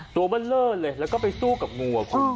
ตัวเบื้อเปลื้อเลยแล้วก็ไปสู้กับงู